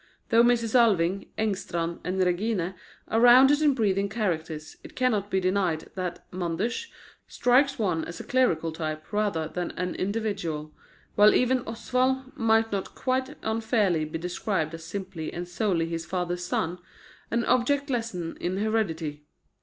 Though Mrs. Alving, Engstrand and Regina are rounded and breathing characters, it cannot be denied that Manders strikes one as a clerical type rather than an individual, while even Oswald might not quite unfairly be described as simply and solely his father's son, an object lesson in heredity.